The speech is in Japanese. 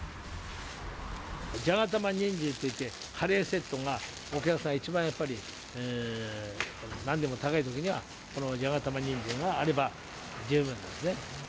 じゃが・たま・にんじんって言って、カレーセットが、お客さん、一番やっぱりなんでも高いときには、このじゃが・たま・にんじんがあれば、十分なんですね。